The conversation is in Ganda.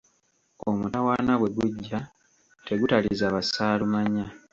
Omutawaana bwe gujja tegutaliza bassaalumanya.